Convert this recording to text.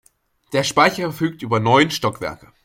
Der Speicher verfügt über neun Stockwerke.